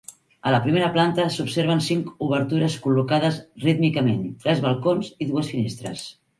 A la primera planta s'observen cinc obertures col·locades rítmicament: tres balcons i dues finestres.